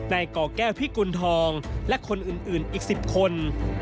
ก่อแก้วพิกุณฑองและคนอื่นอีก๑๐คน